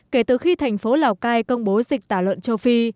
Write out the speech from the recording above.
kể từ khi thành phố lào cai công bố dịch tả lợn châu phi